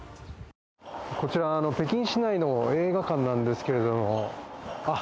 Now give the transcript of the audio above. こちら、北京市内の映画館なんですけれども、あっ、